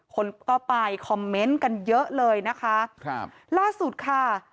คนก็ไปคอมเมนต์กันเยอะเลยนะคะครับล่าสุดค่ะ